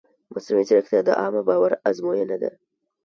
مصنوعي ځیرکتیا د عامه باور ازموینه ده.